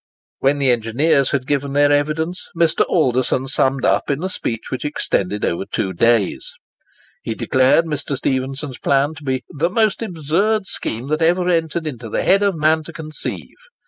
When the engineers had given their evidence, Mr. Alderson summed up in a speech which extended over two days. He declared Mr. Stephenson's plan to be "the most absurd scheme that ever entered into the head of man to conceive.